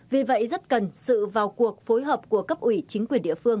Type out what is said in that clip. vì vậy rất cần sự vào cuộc phối hợp của cấp ủy chính quyền địa phương